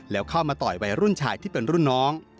แล้วเข้ามาต่อยวัยรุ่นชายที่เป็นรุ่นน้อง